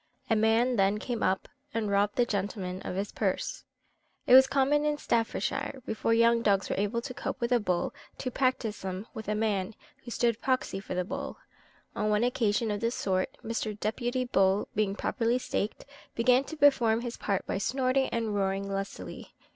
A man then came up, and robbed the gentleman of his purse. It was common in Staffordshire, before young dogs were able to cope with a bull, to practise them with a man, who stood proxy for the bull. On one occasion of this sort, Mr. Deputy Bull being properly staked, began to perform his part by snorting and roaring lustily.